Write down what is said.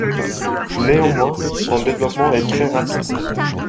Néanmoins, son développement est très rapide.